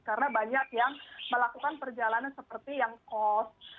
karena banyak yang melakukan perjalanan seperti yang kos